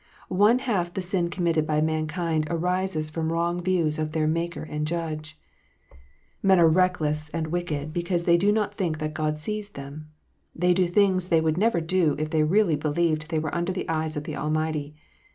One half the sin committed by mankind arises from wrong views of their Maker and Judge. Men are reckless and wicked, because they do not think that God sees them. They do things they would never do if they really believed they were under the eyes of the Almighty.